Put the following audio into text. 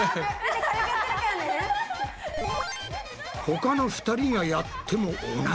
他の２人がやっても同じだ。